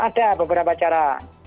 ada beberapa cara